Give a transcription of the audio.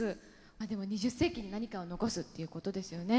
でも２０世紀に何かを残すっていうことですよね。